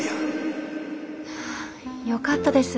よかったです。